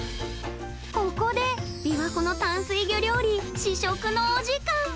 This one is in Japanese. ここでびわ湖の淡水魚料理試食のお時間！